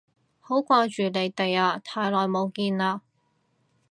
好掛住你哋啊，太耐冇見喇